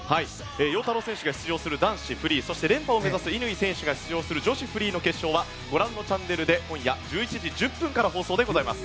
陽太郎選手が出場する男子フリーそして連覇を目指す乾選手が出場する女子フリーの決勝はご覧のチャンネルで今夜１１時１０分から放送です。